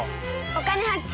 「お金発見」。